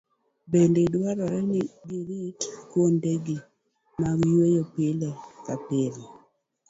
Bende dwarore ni girit kuondegi mag yweyo pile ka pile.